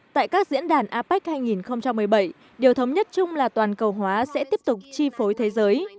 tại các diễn đàn apec hai nghìn một mươi bảy điều thống nhất chung là toàn cầu hóa sẽ tiếp tục chi phối thế giới